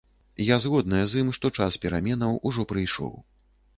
Я згодная з ім, што час пераменаў ужо прыйшоў.